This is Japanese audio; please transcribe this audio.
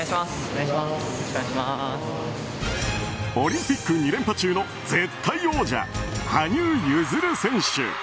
オリンピック２連覇中の絶対王者・羽生結弦選手。